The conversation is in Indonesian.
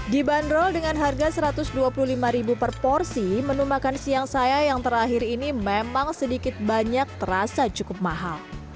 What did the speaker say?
dibanderol dengan harga rp satu ratus dua puluh lima per porsi menu makan siang saya yang terakhir ini memang sedikit banyak terasa cukup mahal